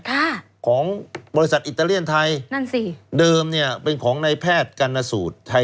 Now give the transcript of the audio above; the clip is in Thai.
ค่ะของบริษัทอิตาเลียนไทยนั่นสิเดิมเนี่ยเป็นของนายแพทย์กรรณสูตรไทย